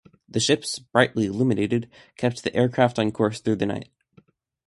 The ships, brightly illuminated, kept the aircraft on course through the night.